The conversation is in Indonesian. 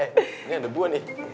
eh ini ada gue nih